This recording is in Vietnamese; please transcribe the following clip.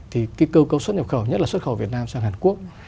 thì cái cơ cấu xuất nhập khẩu nhất là xuất khẩu việt nam sang hàn quốc